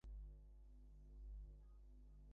তবে ভয়ের কিছু নেই, একজন দারোয়ান আছে।